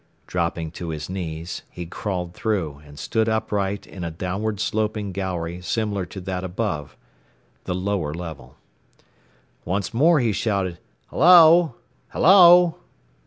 Dropping to his knees, he crawled through, and stood upright in a downward sloping gallery similar to that above the "lower level." Once more he shouted. "Hello! Hello!"